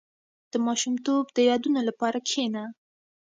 • د ماشومتوب د یادونو لپاره کښېنه.